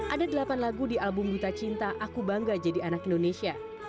ada delapan lagu di album duta cinta aku bangga jadi anak indonesia